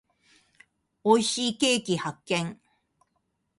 美味しいケーキ発見。